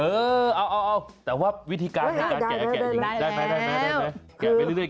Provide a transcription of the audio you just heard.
เออเอาแต่ว่าวิธีการแกะได้ไหม